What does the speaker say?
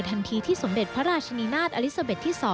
ทันทีที่สมเด็จพระราชนีนาฏอลิซาเบ็ดที่๒